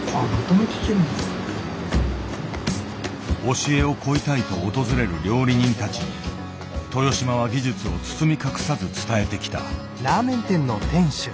教えを請いたいと訪れる料理人たちに豊島は技術を包み隠さず伝えてきた。